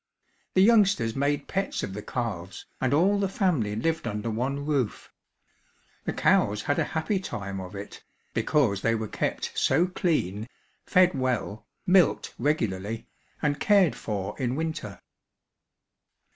The youngsters made pets of the calves and all the family lived under one roof. The cows had a happy time of it, because they were kept so clean, fed well, milked regularly, and cared for in winter.